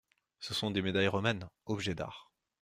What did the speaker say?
Ce sont des médailles romaines … objet d'art.